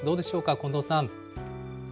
近藤さん。